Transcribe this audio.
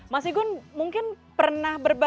mas igun mungkin pernah